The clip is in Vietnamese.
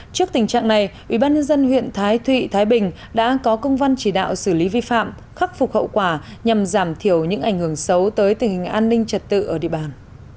trước tình trạng này ubnd huyện thái thụy thái bình đã có công văn chỉ đạo xử lý vi phạm khắc phục hậu quả nhằm giảm thiểu những ảnh hưởng xấu tới tình hình an ninh trật tự ở địa bàn